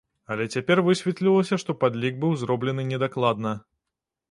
Але цяпер высветлілася, што падлік быў зроблены недакладна.